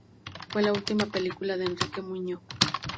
Fue la última película de Enrique Muiño.